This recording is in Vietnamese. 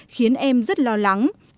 khiến em rất lo lắng